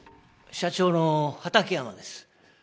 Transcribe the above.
社長の畠山です。